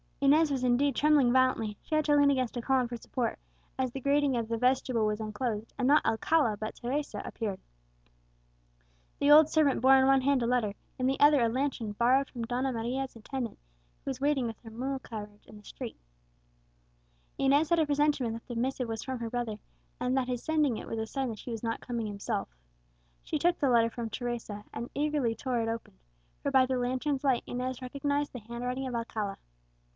Inez was indeed trembling violently; she had to lean against a column for support, as the grating of the vestibule was unclosed, and not Alcala but Teresa appeared. The old servant bore in one hand a letter, in the other a lantern borrowed from Donna Maria's attendant, who was waiting with her mule carriage in the street. Inez had a presentiment that the missive was from her brother, and that his sending it was a sign that he was not coming himself. She took the letter from Teresa, and eagerly tore it open; for by the lantern's light Inez recognized the handwriting of Alcala.